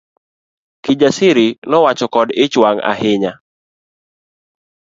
Kijasiri nowacho kod ich wang ahinya.